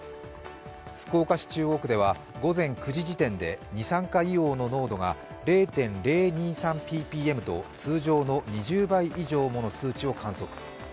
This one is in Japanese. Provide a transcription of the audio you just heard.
福岡市中央区では午前９時時点で二酸化硫黄の濃度が０．０２３ｐｐｍと通常の２０倍以上もの数値を観測。